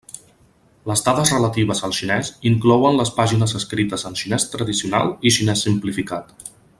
Les dades relatives al xinès inclouen les pàgines escrites en xinès tradicional i xinès simplificat.